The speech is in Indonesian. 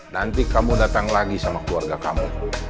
nanti kamu datang lagi sama keluarga kamu